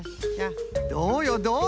どうよどうよ？